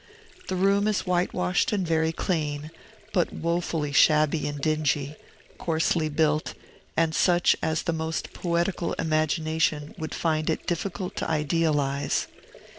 The room is whitewashed and very clean, but wofully shabby and dingy, coarsely built, and such as the most poetical imagination would find it difficult to idealize.